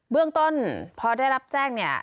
เรื่องต้นพอได้รับแจ้งเนี่ย